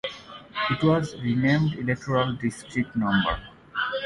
It was renamed electoral district no.